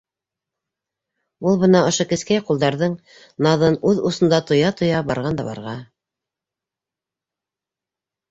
Ул бына ошо кескәй ҡулдарҙың наҙын үҙ усында тоя-тоя барған да бара...